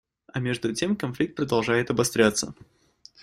А между тем конфликт продолжает обостряться.